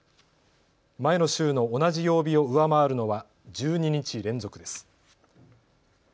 前の週の同じ曜日を上回るのは１２日連続です。